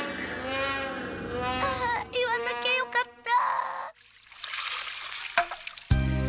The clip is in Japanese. あ言わなきゃよかった。